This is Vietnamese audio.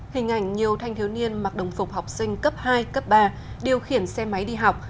hình ảnh nhiều thanh thiếu niên mặc đồng phục học sinh cấp hai cấp ba điều khiển xe máy đi học